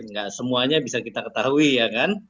nggak semuanya bisa kita ketahui ya kan